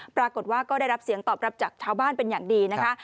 ปรากฏว่าก็ได้รับเสียงตอบรับจากชาวบ้านเป็นอย่างดีนะคะ